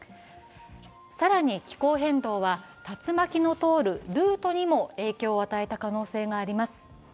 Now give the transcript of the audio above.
更に、気候変動は竜巻の通るルートにも影響を与えた可能性があります。